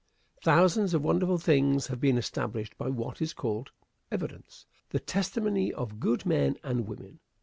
Thousands of wonderful tings have been established by what is called "evidence" the testimony of good men and women.